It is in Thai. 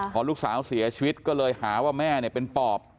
พอลูกสาวเสียชีวิตก็เลยหาว่าแม่เป็นปอบ